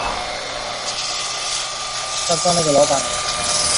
格尔茨哈根是德国勃兰登堡州的一个市镇。